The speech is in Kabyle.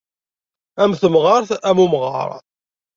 Am temɣart am umɣar.